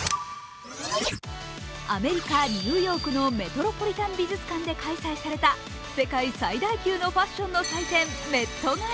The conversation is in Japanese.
アメリカ・ニューヨークのメトロポリタン美術館で開催された世界最大級のファッションの祭典、ＭｅｔＧａｌａ。